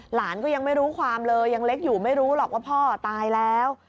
หลานก็ยังไม่รู้ความเลยยังเล็กอยู่ไม่รู้หรอกว่าพ่อตายแล้ว